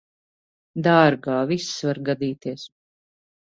Dārgā, viss var gadīties.